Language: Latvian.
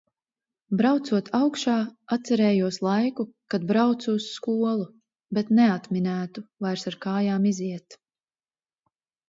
Braucot augšā, atcerējos laiku, kad braucu uz skolu, bet neatminētu vairs ar kājām iziet.